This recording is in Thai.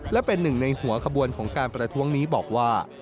และเป็นหนึ่งในหัวขบวนของการประท้วงนี้บอกว่า